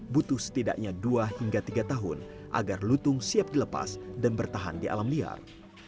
butuh setidaknya dua hingga tiga tahun agar lutung siap dilepas dan bertahan di alam liar